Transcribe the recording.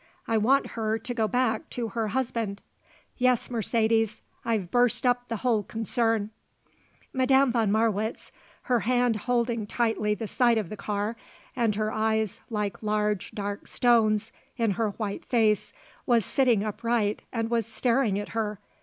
I want her to go back to her husband. Yes, Mercedes; I've burst up the whole concern." Madame von Marwitz, her hand holding tightly the side of the car and her eyes like large, dark stones in her white face, was sitting upright and was staring at her.